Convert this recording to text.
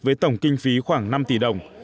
với tổng kinh phí khoảng năm tỷ đồng